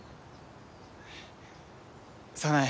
早苗